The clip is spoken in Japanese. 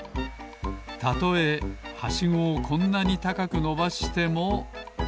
たとえはしごをこんなにたかくのばしても。